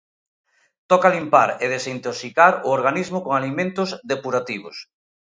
Toca limpar e desintoxicar o organismo con alimentos depurativos.